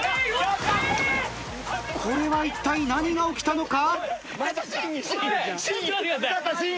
これはいったい何が起きたのか？